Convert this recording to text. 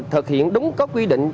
thực hiện đúng cấp quy định